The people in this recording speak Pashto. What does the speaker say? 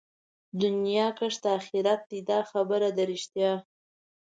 دنيا کښت د آخرت دئ دا خبره ده رښتيا